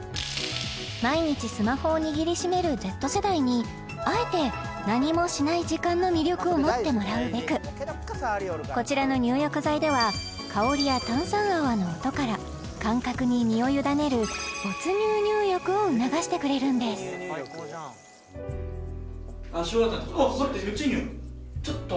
毎日スマホを握りしめるＺ世代にあえて何もしない時間の魅力を持ってもらうべくこちらの入浴剤では香りや炭酸泡の音から感覚に身を委ねる没入入浴を促してくれるんですあ！